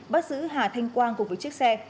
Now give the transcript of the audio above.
bắt giữ hà thanh quang cùng với chiếc xe